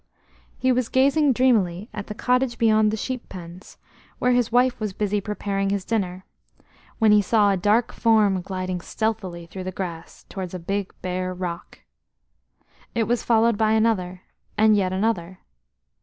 He was gazing dreamily at the cottage beyond the sheep pens, where his wife was busy preparing his dinner, when he saw a dark form gliding stealthily through the grass towards a big bare rock. It was followed by another, and yet another.